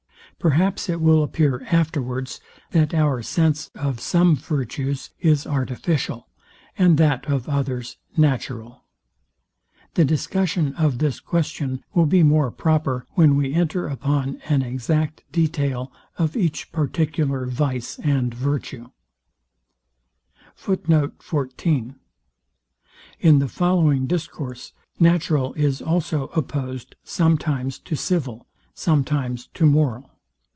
Perhaps it will appear afterwards, that our sense of some virtues is artificial, and that of others natural. The discussion of this question will be more proper, when we enter upon an exact detail of each particular vice and virtue. In the following discourse natural is also opposed sometimes to civil, sometimes to moral.